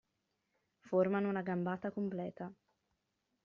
Formano una gambata completa.